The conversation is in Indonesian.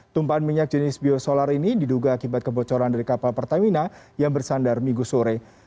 tumpahan minyak jenis biosolar ini diduga akibat kebocoran dari kapal pertamina yang bersandar minggu sore